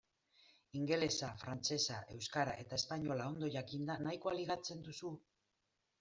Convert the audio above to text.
Ingelesa, frantsesa, euskara eta espainola ondo jakinda nahikoa ligatzen duzu?